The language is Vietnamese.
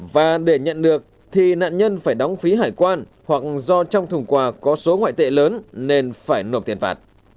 và để nhận được thì nạn nhân phải đóng phí hải quan hoặc do trong thùng quà có số ngoại tệ lớn nên phải nộp tiền phạt